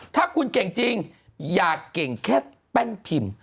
ถ้าคุณเก่งจริงอยากเก่งแค่แป้นพิมพ์